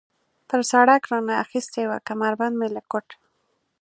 پر سړک را نه اخیستې وه، کمربند مې له کوټ.